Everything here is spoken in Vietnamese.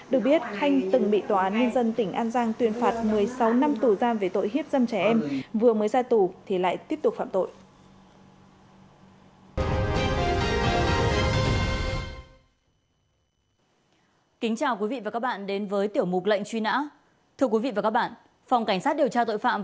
được biết khanh từng bị tòa án nhân dân tỉnh an giang tuyên phạt một mươi sáu năm tù giam về tội hiếp dâm trẻ em vừa mới ra tù thì lại tiếp tục phạm tội